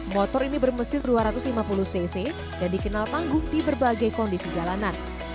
motor ini bermesin dua ratus lima puluh cc dan dikenal tangguh di berbagai kondisi jalanan